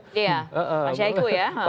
pak saeho ya